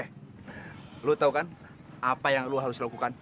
lo tau kan apa yang lo harus lakukan